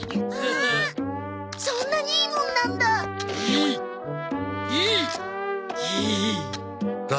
そんなにいいもんなんだ。